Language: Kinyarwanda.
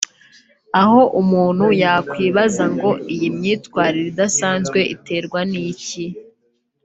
Aha umuntu yakwibaza ngo iyi myitwarire idasanzwe iterwa n’iki